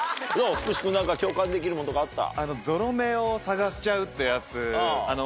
福士君何か共感できるものとかあった？